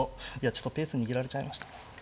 ちょっとペース握られちゃいましたね。